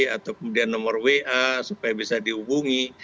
atau kemudian nomor wa supaya bisa dihubungi